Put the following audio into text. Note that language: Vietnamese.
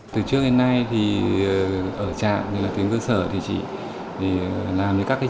từ trước đến nay thì ở trạm tỉnh cơ sở thì chỉ làm các chương trình